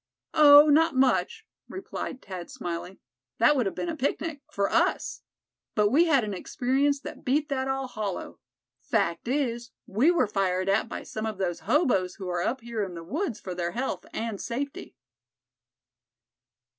"Oh! not much," replied Thad, smiling; "that would have been a picnic—for us. But we had an experience that beat that all hollow. Fact is, we were fired at by some of those hoboes who are up here in the woods for their health, and safety!"